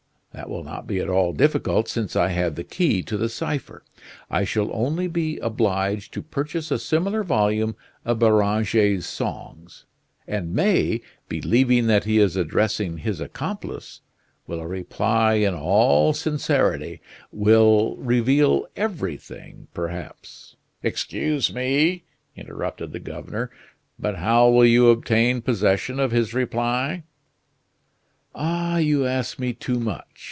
That will not be at all difficult, since I have the key to the cipher. I shall only be obliged to purchase a similar volume of Beranger's songs; and May, believing that he is addressing his accomplice, will reply in all sincerity will reveal everything perhaps " "Excuse me!" interrupted the governor, "but how will you obtain possession of his reply?" "Ah! you ask me too much.